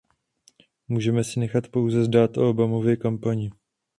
Můžeme si nechat pouze zdát o Obamově kampani.